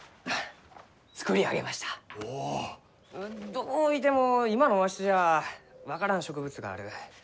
どういても今のわしじゃ分からん植物がある。